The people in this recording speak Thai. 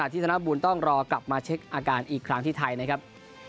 ธนบุญต้องรอกลับมาเช็คอาการอีกครั้งที่ไทยนะครับ